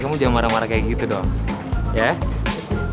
kamu jangan marah marah kayak gitu dong ya